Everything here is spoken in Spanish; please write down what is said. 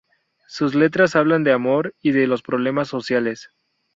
Sus letras hablan de amor y los problemas sociales.